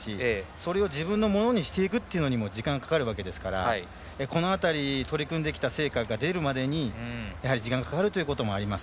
それを自分のものにしていくのにも時間がかかるわけですからこの辺り、取り組んできた成果が出るまでに時間がかかるということもあります。